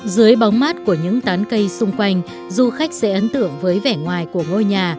dưới bóng mát của những tán cây xung quanh du khách sẽ ấn tượng với vẻ ngoài của ngôi nhà